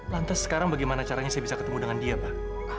lantas sekarang bagaimana caranya saya bisa ketemu dengan dia pak